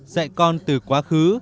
dạy con từ quá khứ